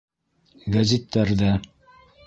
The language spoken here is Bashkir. Гәзиттәр ҙә.